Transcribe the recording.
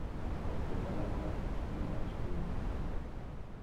Boško Balaban spielte als Stürmer.